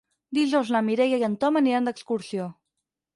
Dijous na Mireia i en Tom aniran d'excursió.